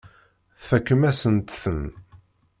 Tfakem-asent-ten.